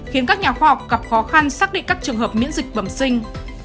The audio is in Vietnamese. khiến các nhà khoa học gặp khó khăn xác định các trường hợp miễn dịch bẩm sinh